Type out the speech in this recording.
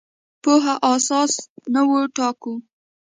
پوهه اساس نه وټاکو.